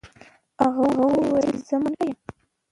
هغه وویل چې زه منونکی یم.